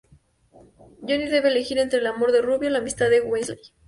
Johnny debe elegir entre el amor de Ruby o la amistad de Wesley.